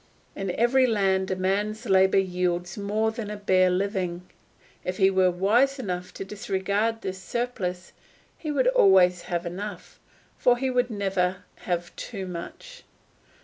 In every land a man's labour yields more than a bare living. If he were wise enough to disregard this surplus he would always have enough, for he would never have too much.